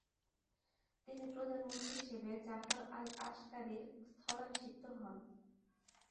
তিনি প্রধানমন্ত্রী হিসেবে জাফর আল আসকারির স্থলাভিষিক্ত হন।